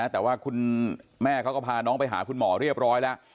แต่ว่าคุณแม่เขาก็พาน้องไปหาคุณหมอเรียบร้อยแล้ว